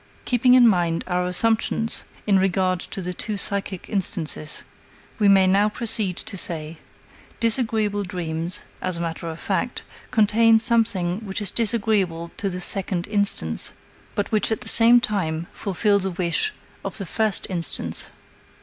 Keeping in mind our assumptions in regard to the two psychic instances, we may now proceed to say: disagreeable dreams, as a matter of fact, contain something which is disagreeable to the second instance, but which at the same time fulfills a wish of the first instance.